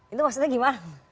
itu maksudnya gimana